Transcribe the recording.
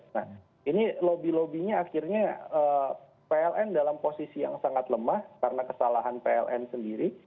nah ini lobby lobbynya akhirnya pln dalam posisi yang sangat lemah karena kesalahan pln sendiri